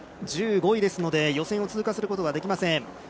１５位ですので予選を通過することができません。